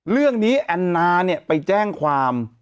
เรื่องนี้แอนนาไปแจ้งความ